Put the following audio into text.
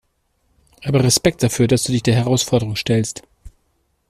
Aber Respekt dafür, dass du dich der Herausforderung stellst.